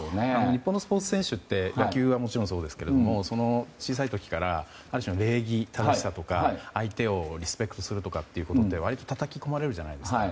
日本のスポーツ選手って野球はもちろんですが小さい時からある種の礼儀正しさとか相手をリスペクトすることって割とたたき込まれるじゃないですか。